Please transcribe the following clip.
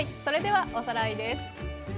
それではおさらいです。